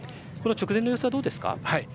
直前の様子はどうですか？